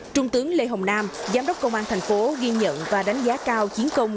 trung tướng lê hồng nam giám đốc công an thành phố ghi nhận và đánh giá cao chiến công